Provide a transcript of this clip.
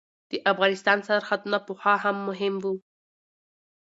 د افغانستان سرحدونه پخوا هم مهم وو.